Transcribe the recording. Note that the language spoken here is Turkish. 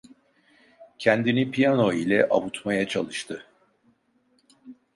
Kendini piyano ile avutmaya çalıştı.